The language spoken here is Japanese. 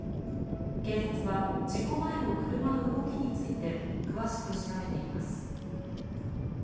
警察は事故前の車の動きについて詳しく調べています。